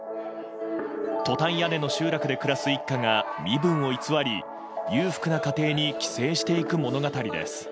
トタン屋根の集落で暮らす一家が身分を偽り裕福な家庭に寄生していく物語です。